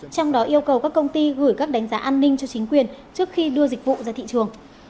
trong đó yêu cầu các công ty gửi các đánh giá an ninh cho chính quyền trước khi đưa dịch vụ ra thị trường